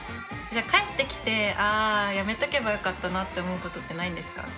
帰ってきてああやめとけばよかったなって思うことってないんですか？